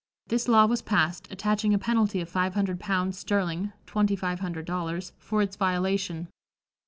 This law was passed, attaching a penalty of five hundred pounds sterling (twenty five hundred dollars) for its violation.